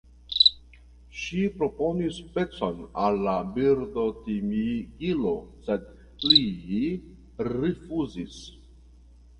Ŝi proponis pecon al la Birdotimigilo, sed li rifuzis.